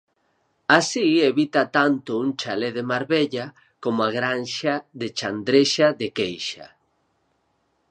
Así evita tanto un chalé de Marbella, como a granxa de Chandrexa de Queixa.